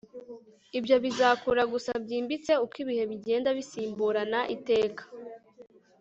ibyo bizakura gusa byimbitse uko ibihe bigenda bisimburana iteka